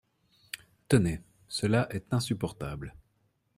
Tenez ; cela est insupportable.